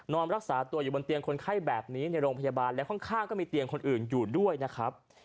รักษาตัวอยู่บนเตียงคนไข้แบบนี้ในโรงพยาบาลและข้างก็มีเตียงคนอื่นอยู่ด้วยนะครับ